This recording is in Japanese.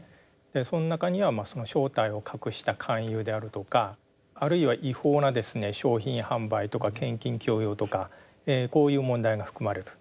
その中には正体を隠した勧誘であるとかあるいは違法な商品販売とか献金強要とかこういう問題が含まれる。